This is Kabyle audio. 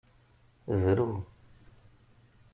Bru.